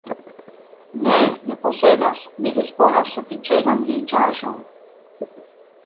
Ne, ne posedas, mi disponas sufiĉegan riĉaĵon.